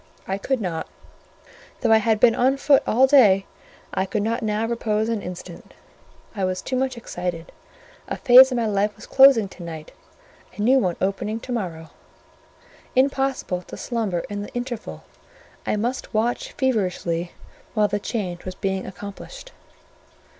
I could not; though I had been on foot all day, I could not now repose an instant; I was too much excited. A phase of my life was closing to night, a new one opening to morrow: impossible to slumber in the interval; I must watch feverishly while the change was being accomplished.